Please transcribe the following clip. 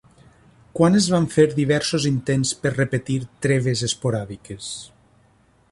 Quan es van fer diversos intents per repetir treves esporàdiques?